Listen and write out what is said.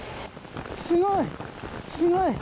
すごい、すごい。